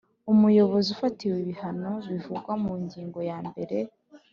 Umuyobozi ufatiwe ibihano bivugwa mu ngingo ya mbere